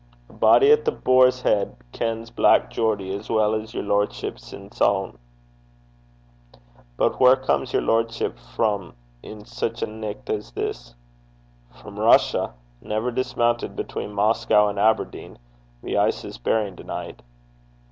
'A'body at The Boar's Heid kens Black Geordie as weel 's yer lordship's ain sel'. But whaur comes yer lordship frae in sic a nicht as this?' 'From Russia. Never dismounted between Moscow and Aberdeen. The ice is bearing to night.'